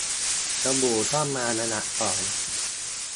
สบู่ก็มาอันดับสอง